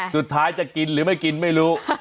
สุดท้ายจะกินหรือไม่กินไม่รู้